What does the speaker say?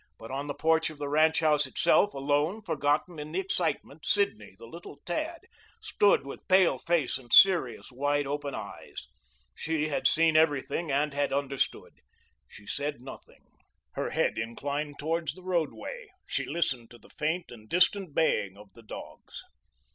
But on the porch of the Ranch house itself, alone, forgotten in the excitement, Sidney the little tad stood, with pale face and serious, wide open eyes. She had seen everything, and had understood. She said nothing. Her head inclined towards the roadway, she listened to the faint and distant baying of the dogs.